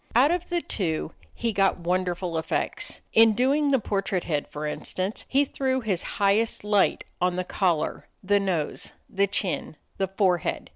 Out of the two he got wonderful effects. In doing the portrait head, for instance, he threw his highest light on the collar, the nose, the chin, the forehead.